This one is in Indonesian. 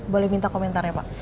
boleh minta komentarnya pak